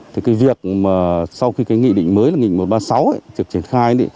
thì cái việc mà sau khi cái nghị định mới là nghị một trăm ba mươi sáu ấy được triển khai